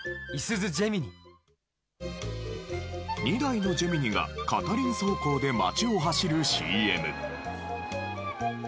２台のジェミニが片輪走行で街を走るＣＭ。